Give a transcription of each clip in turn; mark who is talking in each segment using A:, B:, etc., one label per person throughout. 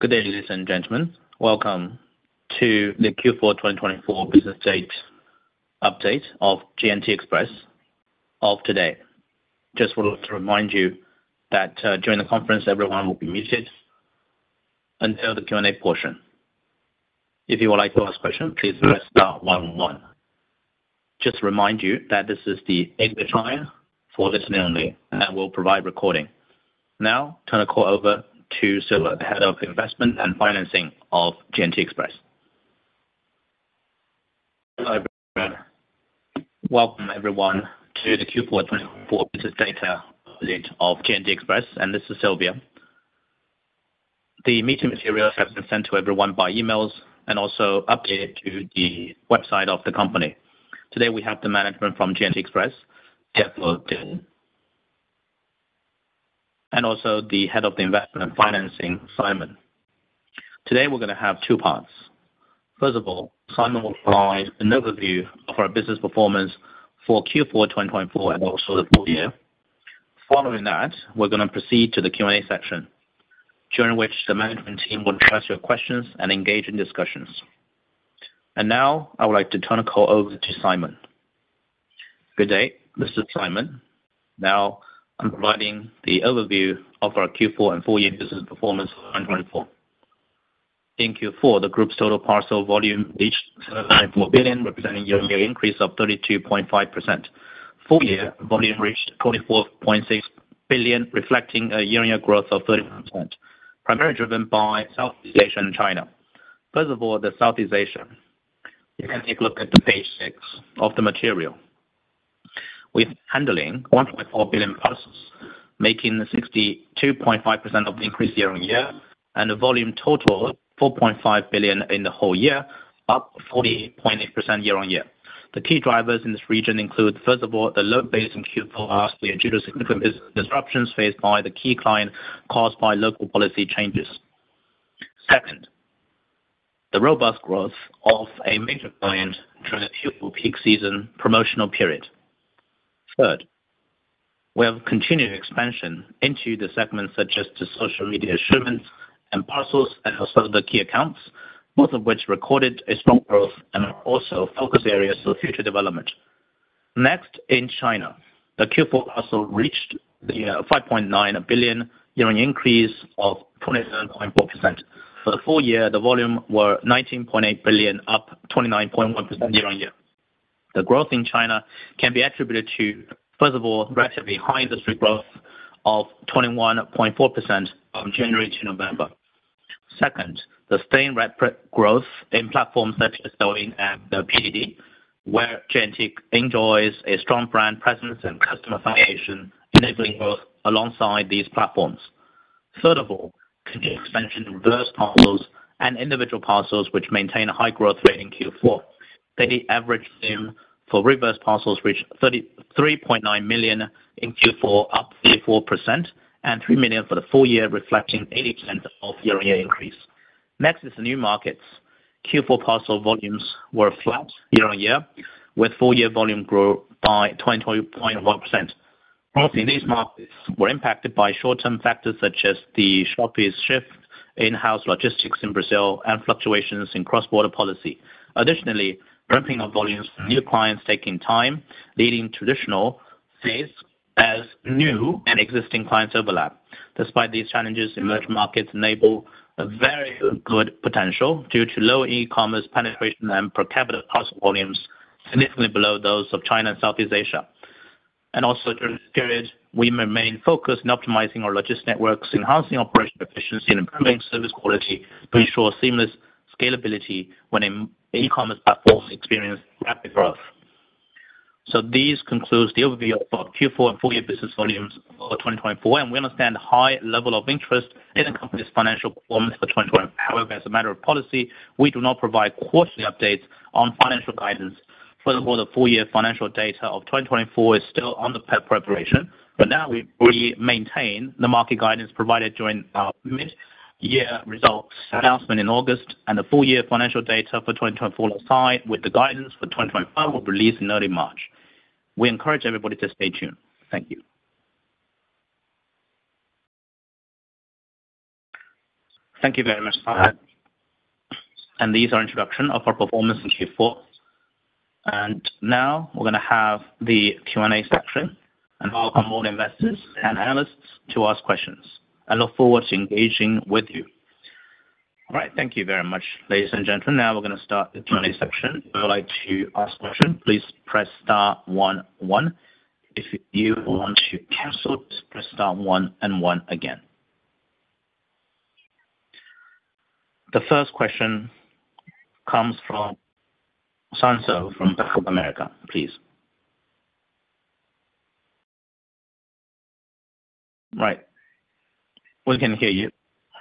A: Good evening, ladies and gentlemen. Welcome to the Q4 2024 business update of today. Just wanted to remind you that during the conference, everyone will be muted until the Q&A portion. If you would like to ask a question, please press star one one. Just to remind you that this is the listen-only line for listening only and will provide recording. Now, turn the call over to Sylvia, the head of investment and financing of. Hello, everyone. Welcome, everyone, to the Q4 2024 business data update of, and this is Sylvia. The meeting materials have been sent to everyone by emails and also updated to the website of the company. Today, we have the management from, Dylan, and also the head of investment and financing, Simon. Today, we're going to have two parts. First of all, Simon will provide an overview of our business performance for Q4 2024 and also the full year. Following that, we're going to proceed to the Q&A section, during which the management team will address your questions and engage in discussions. Now, I would like to turn the call over to Simon. Good day, this is Simon. Now, I'm providing the overview of our Q4 and full year business performance for 2024. In Q4, the group's total parcel volume reached 7.4 billion, representing a year-on-year increase of 32.5%. Full year volume reached 44.6 billion, reflecting a year-on-year growth of 31%, primarily driven by Southeast Asia and China. First of all, the Southeast Asia, you can take a look at the page six of the material. With handling 1.4 billion parcels, making 62.5% of the increase year-on-year, and a volume total of 4.5 billion in the whole year, up 40.8% year-on-year. The key drivers in this region include, first of all, the low base in Q4 last year due to significant business disruptions faced by the key client caused by local policy changes. Second, the robust growth of a major client during the Q4 peak season promotional period. Third, we have continued expansion into the segments such as the social media shipments and parcels, and also the key accounts, both of which recorded a strong growth and are also focus areas for future development. Next, in China, the Q4 parcel reached the 5.9 billion year-on-year increase of 27.4%. For the full year, the volume was 19.8 billion, up 29.1% year-on-year. The growth in China can be attributed to, first of all, relatively high industry growth of 21.4% from January to November. Second, the sustained rapid growth in platforms such as Douyin and PDD, where J&T enjoys a strong brand presence and customer valuation, enabling growth alongside these platforms. Third of all, continued expansion in reverse parcels and individual parcels, which maintain a high growth rate in Q4. Daily average volume for reverse parcels reached 3.9 million in Q4, up 34%, and 3 million for the full year, reflecting 80% year-on-year increase. Next is the new markets. Q4 parcel volumes were flat year-on-year, with full year volume growth by 22.1%. These markets were impacted by short-term factors such as the Shopee fees shift, in-house logistics in Brazil, and fluctuations in cross-border policy. Additionally, ramping up volumes from new clients taking time, leading to transitional fees as new and existing clients overlap. Despite these challenges, emerging markets enable a very good potential due to low e-commerce penetration and per capita parcel volumes significantly below those of China and Southeast Asia, and also, during this period, we remain focused on optimizing our logistics networks, enhancing operational efficiency, and improving service quality to ensure seamless scalability when e-commerce platforms experience rapid growth. So this concludes the overview of Q4 and full year business volumes for 2024, and we understand the high level of interest in the company's financial performance for 2024. However, as a matter of policy, we do not provide quarterly updates on financial guidance. Furthermore, the full year financial data of 2024 is still under preparation, but now we maintain the market guidance provided during our mid-year results announcement in August, and the full year financial data for 2024 will align with the guidance for 2025, which will release in early March. We encourage everybody to stay tuned. Thank you. Thank you very much, Simon. And this is the introduction of our performance in Q4. And now, we're going to have the Q&A section, and welcome all investors and analysts to ask questions. I look forward to engaging with you. All right, thank you very much, ladies and gentlemen. Now, we're going to start the Q&A section. If you would like to ask a question, please press star one one. If you want to cancel, press star one and one again. The first question comes from Fan Tso from Bank of America, please. Right. We can hear you.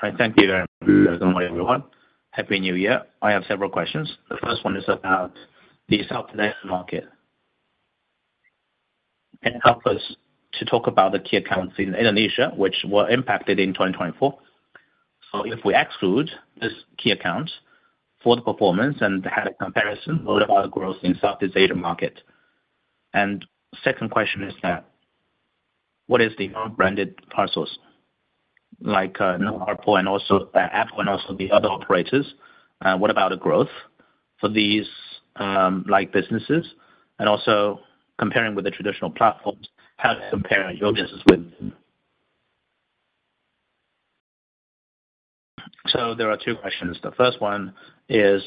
A: All right, thank you very much, everyone. Happy New Year. I have several questions. The first one is about the Southeast Asian market. Can you help us to talk about the key accounts in Indonesia, which were impacted in 2024? So if we exclude these key accounts for the performance and had a comparison, what about the growth in the Southeast Asia market? And second question is that, what is the non-branded parcels? Like Harpo and also Apple and also the other operators, what about the growth for these businesses? Also, comparing with the traditional platforms, how do you compare your business with them? There are two questions. The first one is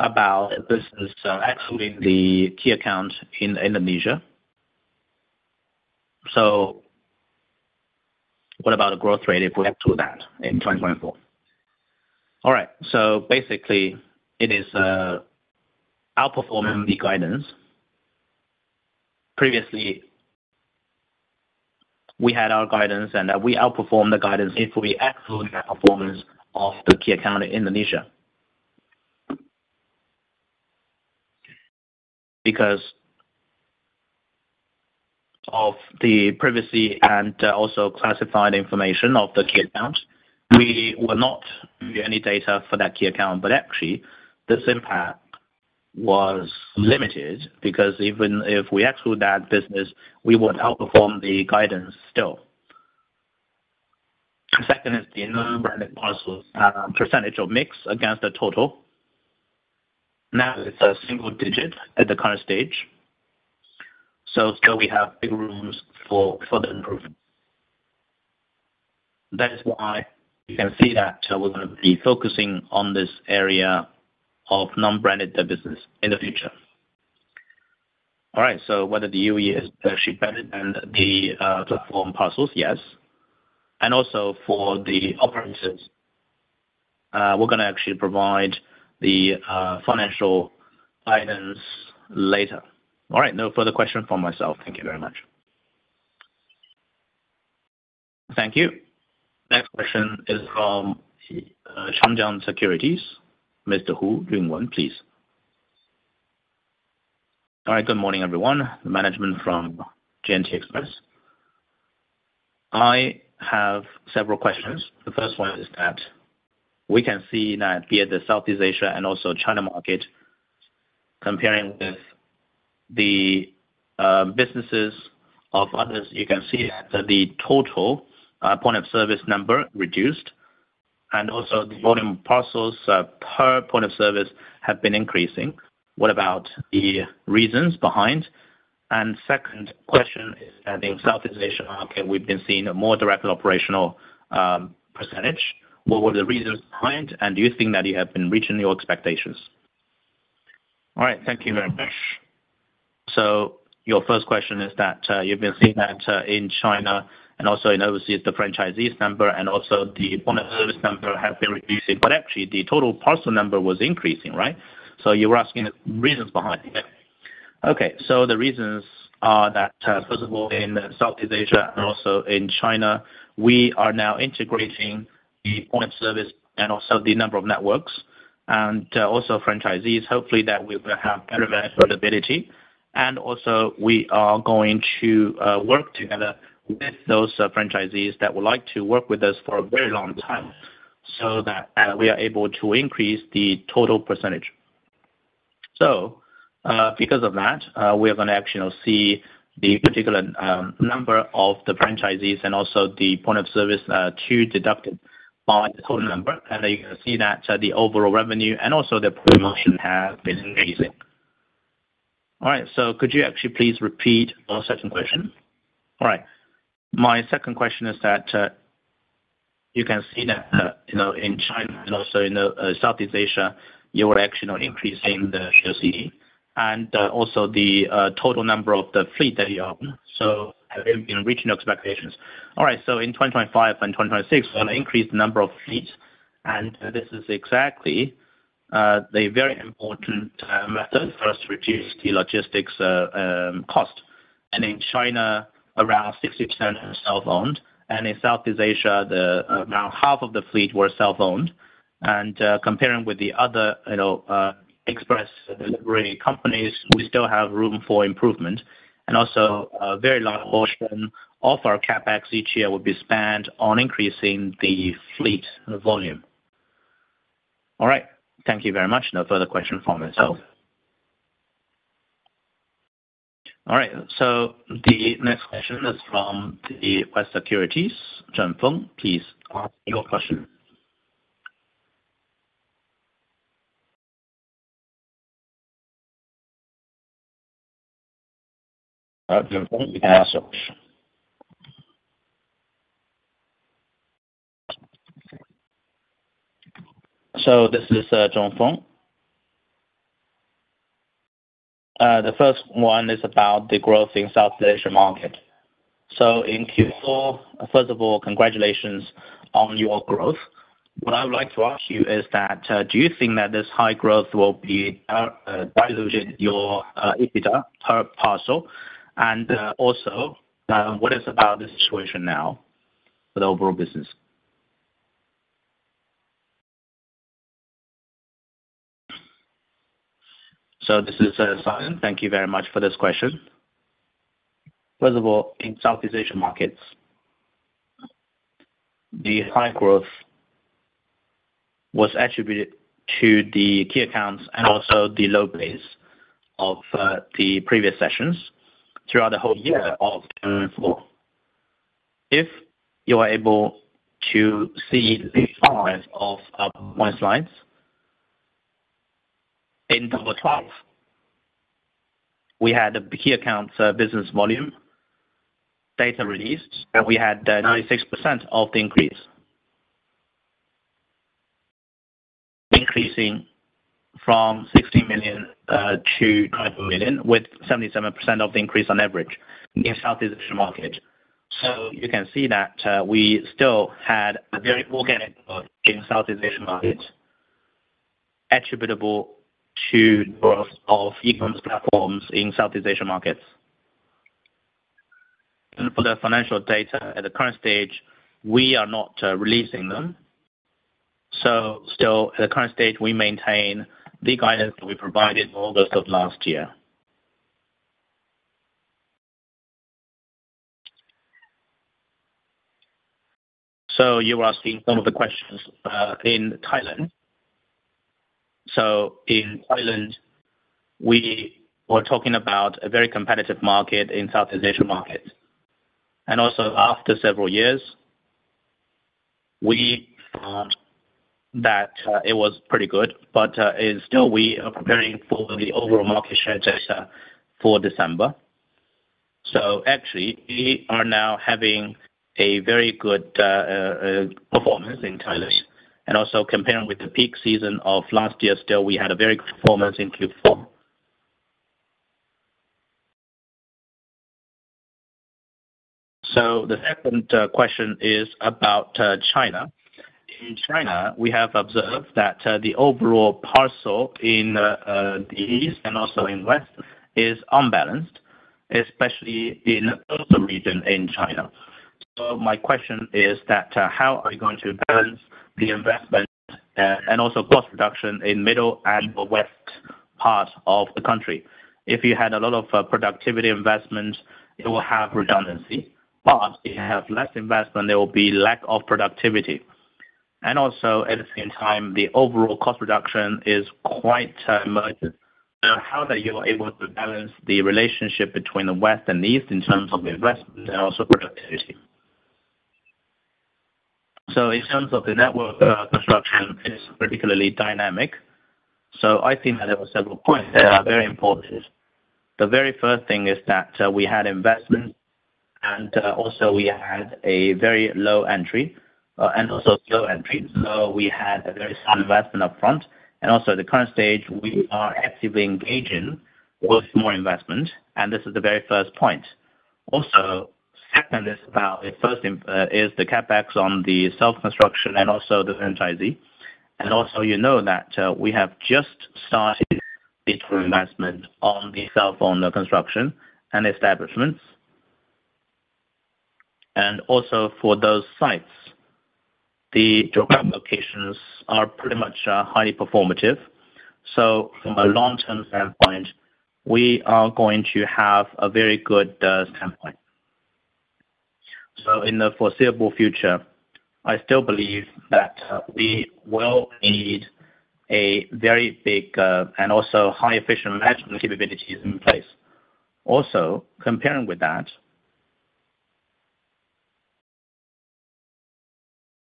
A: about business excluding the key accounts in Indonesia. What about the growth rate if we exclude that in 2024? All right, basically, it is outperforming the guidance. Previously, we had our guidance, and we outperformed the guidance if we excluded the performance of the key account in Indonesia. Because of the privacy and also classified information of the key account, we will not view any data for that key account. But actually, this impact was limited because even if we exclude that business, we would outperform the guidance still. Second is the non-branded parcels, percentage of mix against the total. Now, it is a single digit at the current stage. Still, we have big rooms for further improvement. That is why you can see that we're going to be focusing on this area of non-branded business in the future. All right, so whether the UE is actually better than the platform parcels, yes. And also for the operators, we're going to actually provide the financial guidance later. All right, no further questions from myself. Thank you very much. Thank you. Next question is from Changjiang Securities. Mr. Hu, go ahead, please. All right, good morning, everyone. To the management from. I have several questions. The first one is that we can see that in the Southeast Asia and also China market, comparing with the businesses of others, you can see that the total point of service number reduced, and also the volume of parcels per point of service have been increasing. What about the reasons behind? And the second question is that in the Southeast Asia market, we've been seeing a more direct operational percentage. What were the reasons behind, and do you think that you have been reaching your expectations? All right, thank you very much. So your first question is that you've been seeing that in China and also in overseas, the franchisee's number and also the point of service number have been reducing, but actually, the total parcel number was increasing, right? So you were asking the reasons behind it. Okay, so the reasons are that, first of all, in Southeast Asia and also in China, we are now integrating the point of service and also the number of networks and also franchisees. Hopefully, that we will have better availability. And also, we are going to work together with those franchisees that would like to work with us for a very long time so that we are able to increase the total percentage. So because of that, we are going to actually see the particular number of the franchisees and also the points of service, too, deducted by the total number. And you can see that the overall revenue and also the promotion have been increasing. All right, so could you actually please repeat the second question? All right. My second question is that you can see that in China and also in Southeast Asia, you were actually increasing the RDC and also the total number of the fleet that you own. So have you been reaching your expectations? All right, so in 2025 and 2026, we're going to increase the number of fleets. And this is exactly the very important method for us to reduce the logistics cost. And in China, around 60% are self-owned. And in Southeast Asia, around half of the fleet were self-owned. And comparing with the other express delivery companies, we still have room for improvement. And also, a very large portion of our CapEx each year will be spent on increasing the fleet volume. All right, thank you very much. No further questions from myself. All right, so the next question is from the Huaxi Securities, John Fung. Please ask your question. John Fung, you can ask your question. So this is John Fung. The first one is about the growth in Southeast Asia market. So in Q4, first of all, congratulations on your growth. What I would like to ask you is that, do you think that this high growth will be diluting your EBITDA per parcel? And also, what is about the situation now for the overall business? So this is Simon. Thank you very much for this question. First of all, in Southeast Asia markets, the high growth was attributed to the key accounts and also the low base of the previous sessions throughout the whole year of 2024. If you are able to see the size of our points lines, in 2012, we had the key accounts business volume data released, and we had 96% of the increase, increasing from 16 million to 25 million with 77% of the increase on average in Southeast Asia market. So you can see that we still had a very organic growth in Southeast Asia market attributable to the growth of e-commerce platforms in Southeast Asia markets. And for the financial data at the current stage, we are not releasing them. So still, at the current stage, we maintain the guidance that we provided all those of last year. So you were asking some of the questions in Thailand. So in Thailand, we were talking about a very competitive market in Southeast Asia market. And also, after several years, we found that it was pretty good, but still, we are preparing for the overall market share data for December. So actually, we are now having a very good performance in Thailand. And also, comparing with the peak season of last year, still, we had a very good performance in Q4. So the second question is about China. In China, we have observed that the overall parcel in the east and also in west is unbalanced, especially in the coastal region in China. So my question is that how are you going to balance the investment and also cost reduction in the middle and the west part of the country? If you had a lot of productivity investment, it will have redundancy. But if you have less investment, there will be lack of productivity. And also, at the same time, the overall cost reduction is quite urgent. So how are you able to balance the relationship between the west and the east in terms of investment and also productivity? So in terms of the network construction, it's particularly dynamic. So I think that there were several points that are very important. The very first thing is that we had investment, and also we had a very low entry and also slow entry. So we had a very slow investment upfront. And also, at the current stage, we are actively engaging with more investment. And this is the very first point. Also, second is about the first is the CapEx on the self-construction and also the franchisee. And also, you know that we have just started investment on the self-owned construction and establishments. Also, for those sites, the geographic locations are pretty much highly performative. From a long-term standpoint, we are going to have a very good standpoint. In the foreseeable future, I still believe that we will need a very big and also high-efficient management capabilities in place. Also, comparing with that,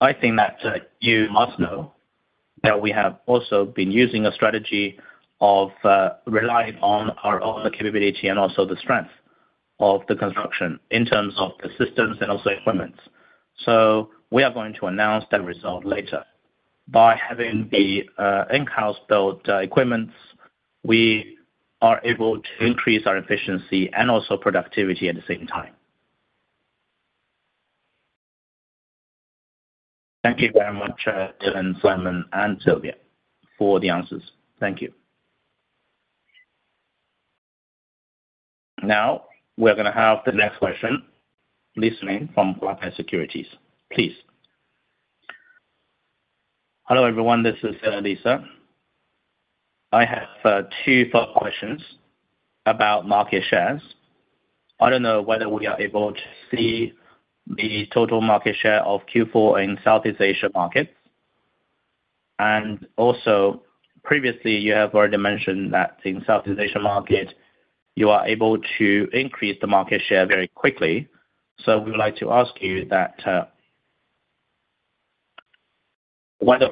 A: I think that you must know that we have also been using a strategy of relying on our own capability and also the strength of the construction in terms of the systems and also equipments. We are going to announce that result later. By having the in-house built equipments, we are able to increase our efficiency and also productivity at the same time. Thank you very much, Dylan, Simon, and Sylvia, for the answers. Thank you. Now, we're going to have the next question from BOCI. Please. Hello, everyone. This is Lisa. I have two follow-up questions about market shares. I don't know whether we are able to see the total market share of Q4 in Southeast Asia markets, and also, previously, you have already mentioned that in Southeast Asia market, you are able to increase the market share very quickly, so we would like to ask you that whether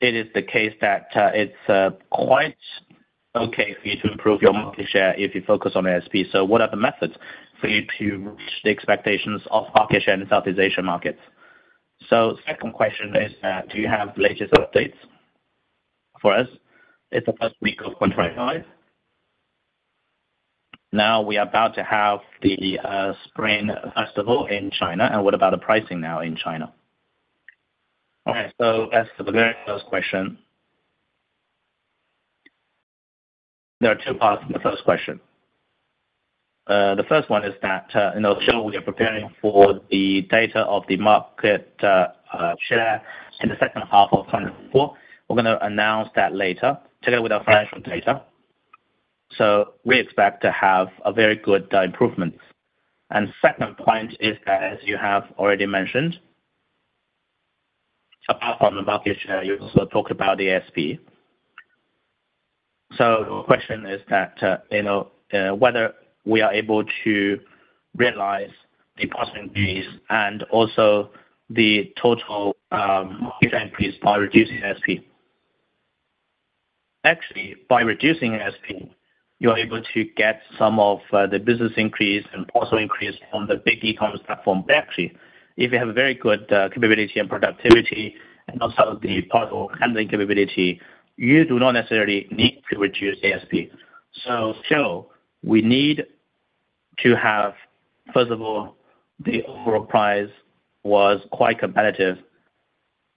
A: it is the case that it's quite okay for you to improve your market share if you focus on ASP, so what are the methods for you to reach the expectations of market share in Southeast Asia markets? So the second question is that do you have the latest updates for us? It's the first week of 2025. Now, we are about to have the Spring Festival in China, and what about the pricing now in China? All right, so as to the very first question, there are two parts to the first question. The first one is that in the show, we are preparing for the data of the market share in the second half of 2024. We're going to announce that later together with our financial data, so we expect to have a very good improvement, and the second point is that, as you have already mentioned, apart from the market share, you also talked about the ASP, so the question is that whether we are able to realize the parcel increase and also the total market share increase by reducing ASP. Actually, by reducing ASP, you are able to get some of the business increase and parcel increase from the big e-commerce platform. But actually, if you have a very good capability and productivity and also the parcel handling capability, you do not necessarily need to reduce ASP. So still, we need to have, first of all, the overall price was quite competitive.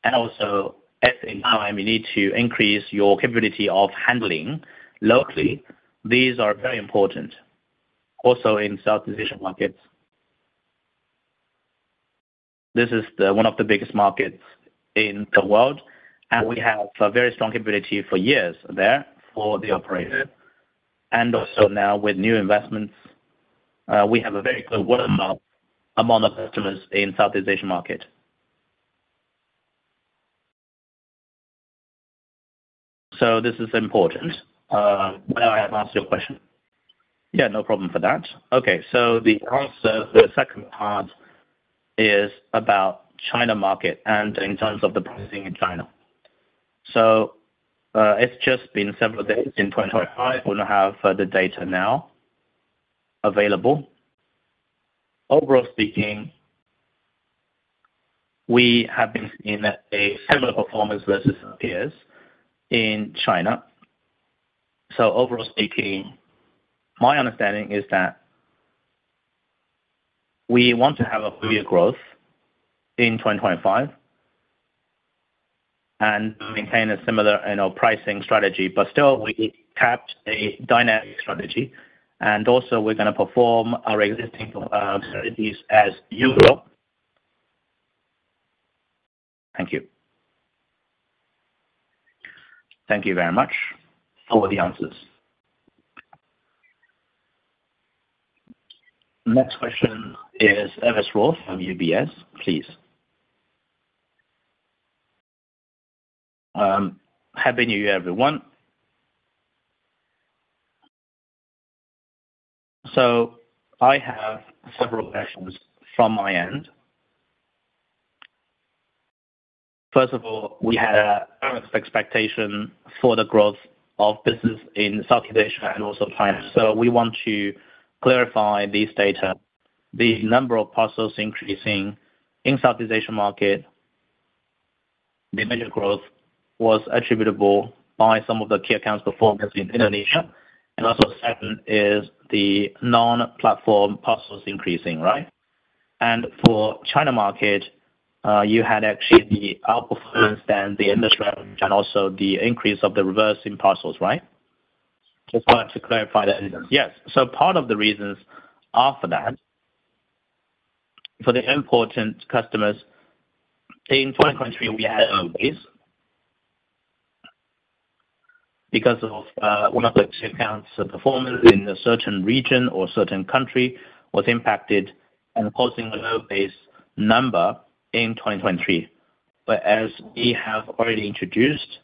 A: And also, at the time, you need to increase your capability of handling locally. These are very important also in Southeast Asia markets. This is one of the biggest markets in the world, and we have a very strong capability for years there for the operator. And also now, with new investments, we have a very good word of mouth among the customers in Southeast Asia market. So this is important when I have answered your question. Yeah, no problem for that. Okay, so the answer for the second part is about China market and in terms of the pricing in China. So it's just been several days in 2025. We're going to have the data now available. Overall speaking, we have been seeing a similar performance versus peers in China. So overall speaking, my understanding is that we want to have a clear growth in 2025 and maintain a similar pricing strategy, but still, we kept a dynamic strategy. And also, we're going to perform our existing strategies as usual. Thank you. Thank you very much for the answers. Next question is Ernest Roth from UBS. Please. Happy New Year, everyone. So I have several questions from my end. First of all, we had a balanced expectation for the growth of business in Southeast Asia and also China. So we want to clarify these data. The number of parcels increasing in Southeast Asia market, the major growth was attributable by some of the key accounts' performance in Indonesia. And also second is the non-platform parcels increasing, right? And for China market, you had actually the outperformance in the industry and also the increase in reverse parcels, right? Just wanted to clarify that. Yes. So part of the reasons for that, for the important customers, in 2023, we had a decrease because one of the key accounts' performance in a certain region or certain country was impacted and causing a low base number in 2023. Whereas we have already introduced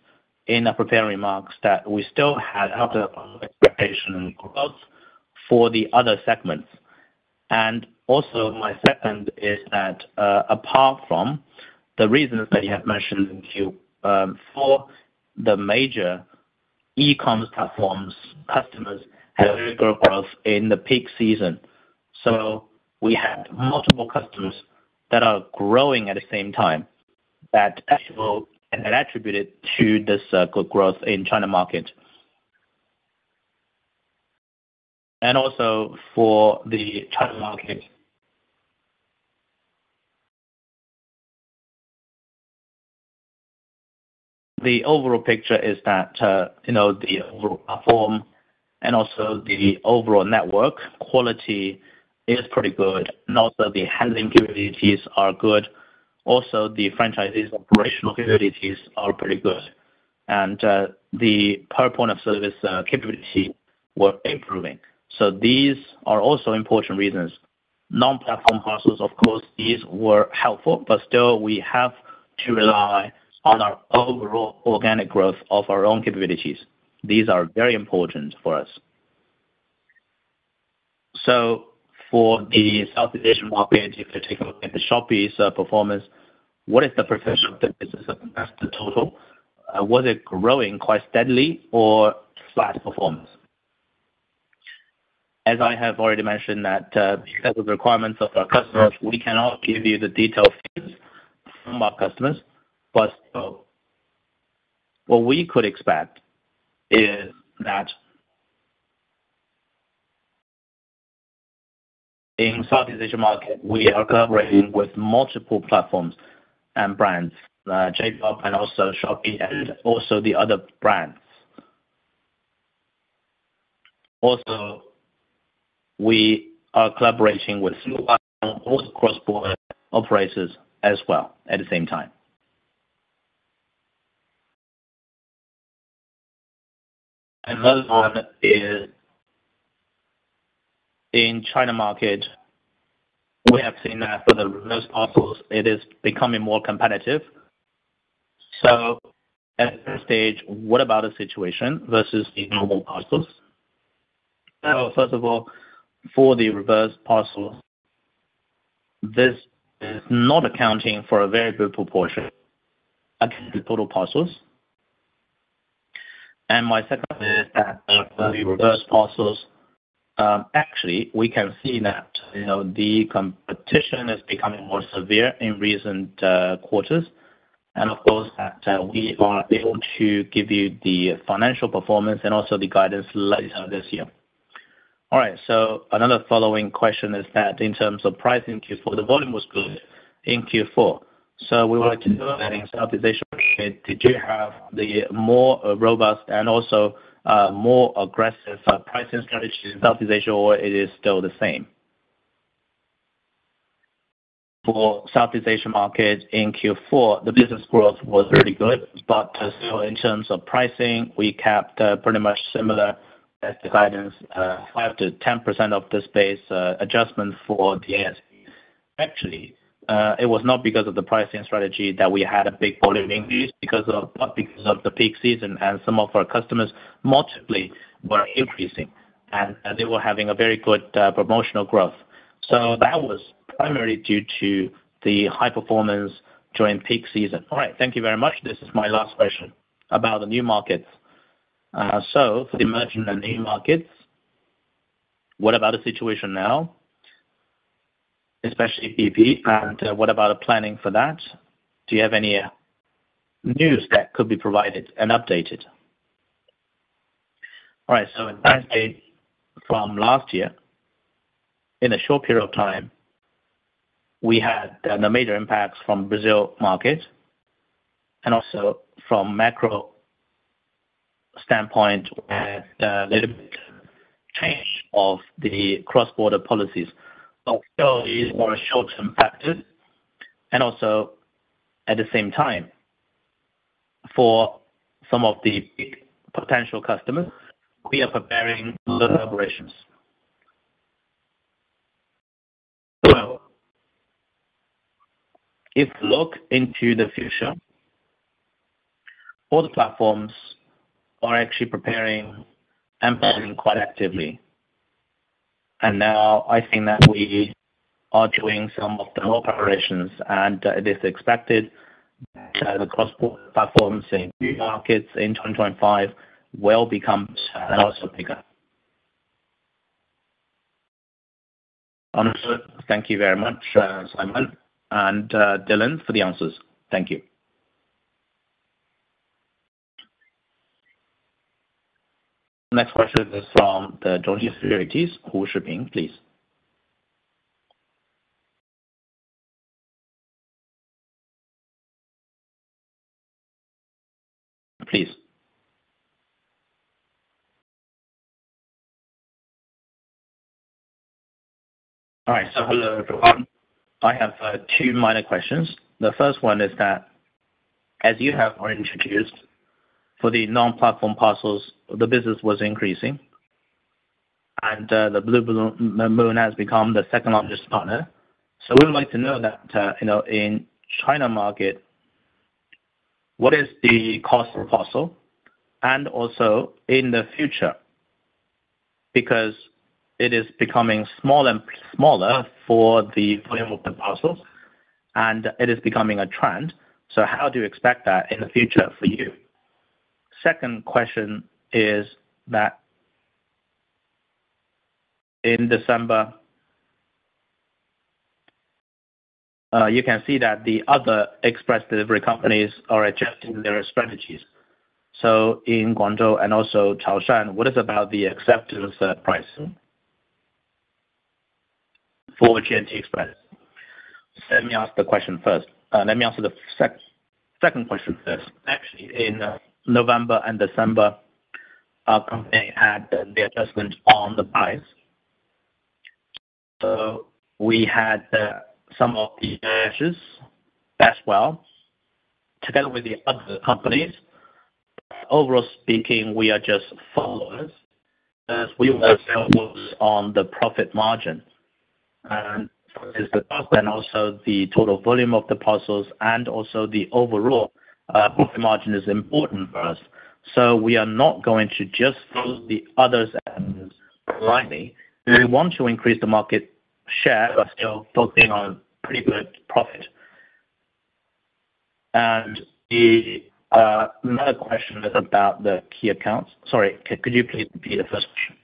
A: in our prepared remarks that we still had above-expectation growth for the other segments. And also, my second is that apart from the reasons that you have mentioned in Q4, the major e-commerce platforms' customers had a very good growth in the peak season. So we had multiple customers that are growing at the same time that attributed to this good growth in China market. And also for the China market, the overall picture is that the overall platform and also the overall network quality is pretty good. And also the handling capabilities are good. Also, the franchisee's operational capabilities are pretty good. And the point of service capability were improving. So these are also important reasons. Non-platform parcels, of course, these were helpful, but still, we have to rely on our overall organic growth of our own capabilities. These are very important for us. So for the Southeast Asia market, if you take a look at the Shopee's performance, what is the percentage of the business that's the total? Was it growing quite steadily or flat performance? As I have already mentioned that because of the requirements of our customers, we cannot give you the detailed figures from our customers. But still, what we could expect is that in Southeast Asia market, we are collaborating with multiple platforms and brands, J-Pub and also Shopee and also the other brands. Also, we are collaborating with single-account or cross-border operators as well at the same time. Another one is in China market. We have seen that for the most parcels, it is becoming more competitive. So at this stage, what about the situation versus the normal parcels? So first of all, for the reverse parcels, this is not accounting for a very good proportion of the total parcels. And my second is that for the reverse parcels, actually, we can see that the competition is becoming more severe in recent quarters. And of course, that we are able to give you the financial performance and also the guidance later this year. All right. So another following question is that in terms of pricing, the volume was good in Q4. So we wanted to know that in Southeast Asia, did you have the more robust and also more aggressive pricing strategy in Southeast Asia, or is it still the same? For the Southeast Asia market in Q4, the business growth was really good. But still, in terms of pricing, we kept pretty much similar as the guidance, 5%-10% ASP adjustment for the ASP. Actually, it was not because of the pricing strategy that we had a big volume increase because of the peak season and some of our customers' multiples were increasing. And they were having a very good promotional growth. So that was primarily due to the high performance during peak season. All right. Thank you very much. This is my last question about the new markets. So for the emerging and new markets, what about the situation now, especially EP? And what about the planning for that? Do you have any news that could be provided and updated? All right. So in the last day from last year, in a short period of time, we had the major impacts from the Brazil market and also from macro standpoint with a little bit change of the cross-border policies. But still, these are short-term factors. And also, at the same time, for some of the big potential customers, we are preparing the collaborations. So if we look into the future, all the platforms are actually preparing and planning quite actively. And now, I think that we are doing some of the whole preparations. And it is expected that the cross-border platforms in new markets in 2025 will become and also become. Thank you very much, Simon and Dylan, for the answers. Thank you. Next question is from the Zhongtai Securities, Gu Shiping, please. Please. All right. So hello, everyone. I have two minor questions. The first one is that, as you have already introduced, for the non-platform parcels, the business was increasing. And the Blue Moon has become the second largest partner. So we would like to know that in China market, what is the cost per parcel? And also, in the future, because it is becoming smaller and smaller for the volume of the parcels, and it is becoming a trend, so how do you expect that in the future for you? Second question is that in December, you can see that the other express delivery companies are adjusting their strategies. So in Guangzhou and also Chaoshan, what about the acceptance pricing for? Let me ask the question first. Let me answer the second question first. Actually, in November and December, our company had the adjustment on the price. So we had some of the measures as well together with the other companies. Overall speaking, we are just followers as we were sales on the profit margin. And so it is the cost and also the total volume of the parcels and also the overall profit margin is important for us. So we are not going to just follow the others and blindly. We want to increase the market share but still focusing on pretty good profit. And another question is about the key accounts. Sorry, could you please repeat the first question?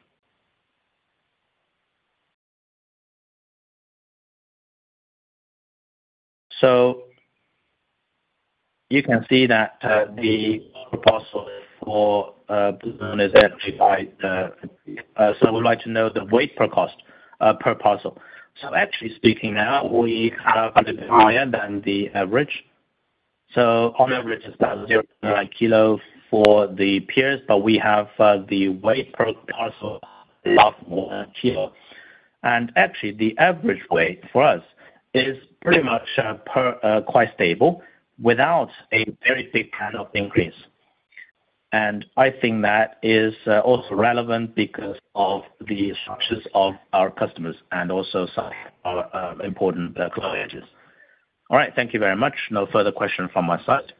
A: So you can see that the parcel for Blue Moon is actually by the. So we'd like to know the weight per cost per parcel. So actually speaking now, we have a little bit higher than the average. So on average, it's about 0.9 kilo for the peers, but we have the weight per parcel of more kilo. And actually, the average weight for us is pretty much quite stable without a very big kind of increase. And I think that is also relevant because of the structures of our customers and also some important clients. All right. Thank you very much. No further questions from my side.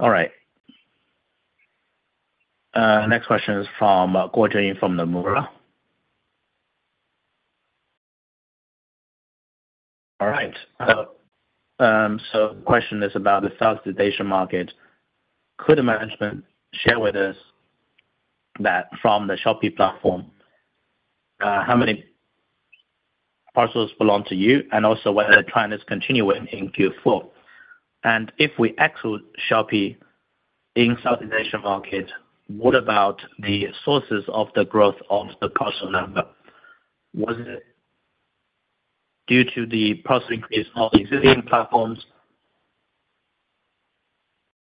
A: All right. Next question is from Guo Jing from Nomura. All right. So the question is about the Southeast Asia market. Could the management share with us that from the Shopee platform, how many parcels belong to you and also whether the trend is continuing in Q4? And if we exclude Shopee in Southeast Asia market, what about the sources of the growth of the parcel number? Was it due to the parcel increase on existing platforms,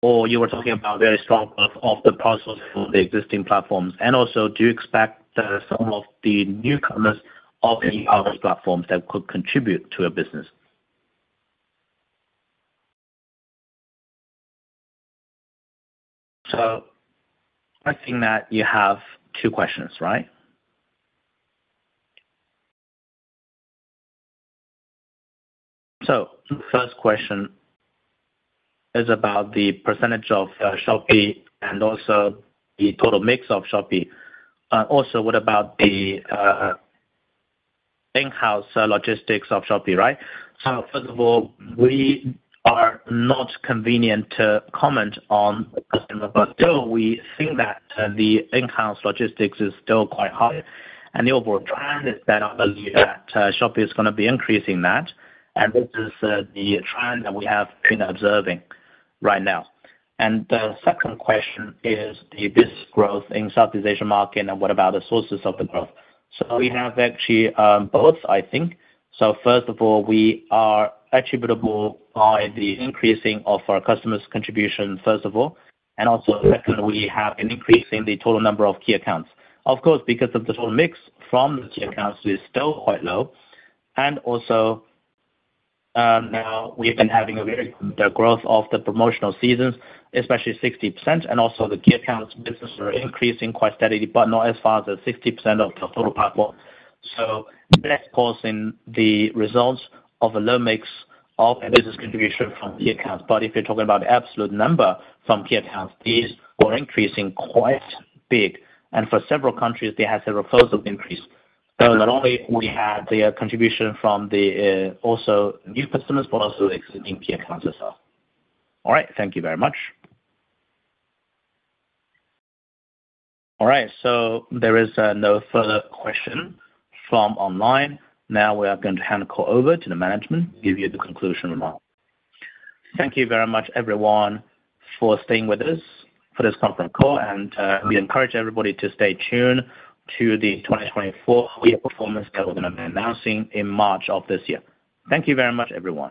A: or you were talking about very strong growth of the parcels on the existing platforms? And also, do you expect some of the newcomers of the e-commerce platforms that could contribute to your business? So I think that you have two questions, right? So the first question is about the percentage of Shopee and also the total mix of Shopee. Also, what about the in-house logistics of Shopee, right? So first of all, we are not convenient to comment on the customer, but still, we think that the in-house logistics is still quite high. And the overall trend is that I believe that Shopee is going to be increasing that. And this is the trend that we have been observing right now. The second question is the business growth in Southeast Asia market, and what about the sources of the growth? We have actually both, I think. First of all, we are attributable by the increasing of our customers' contribution, first of all. And also, second, we have an increase in the total number of key accounts. Of course, because of the total mix from the key accounts, it is still quite low. And also, now we've been having a very good growth of the promotional seasons, especially 60%. And also, the key accounts' business are increasing quite steadily, but not as fast as 60% of the total platform. That's causing the results of a low mix of business contribution from key accounts. But if you're talking about the absolute number from key accounts, these are increasing quite big. And for several countries, they had several positive increases. So not only we had the contribution from the also new customers, but also existing key accounts as well. All right. Thank you very much. All right. So there is no further question from online. Now we are going to hand the call over to the management to give you the conclusion remark. Thank you very much, everyone, for staying with us for this conference call. And we encourage everybody to stay tuned to the 2024 year performance that we're going to be announcing in March of this year. Thank you very much, everyone.